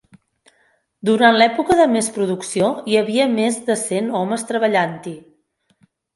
Durant l'època de més producció hi havia més de cent homes treballant-hi.